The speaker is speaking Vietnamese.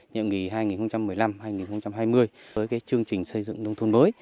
nhận nghị hai nghìn một mươi năm hai nghìn hai mươi với chương trình xây dựng nông thôn mới